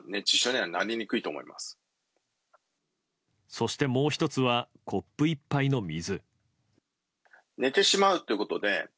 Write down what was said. そして、もう１つはコップ１杯の水。